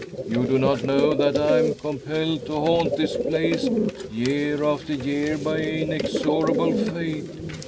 You do not know that I am compelled to haunt this place year after year by inexorable fate.